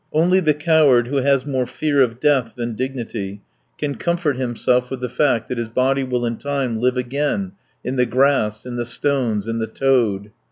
Only the coward who has more fear of death than dignity can comfort himself with the fact that his body will in time live again in the grass, in the stones, in the toad.